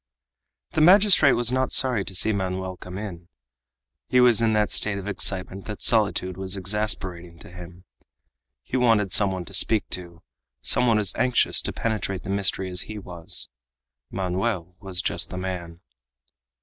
The magistrate was not sorry to see Manoel come in. He was in that state of excitement that solitude was exasperating to him. He wanted some one to speak to, some one as anxious to penetrate the mystery as he was. Manoel was just the man.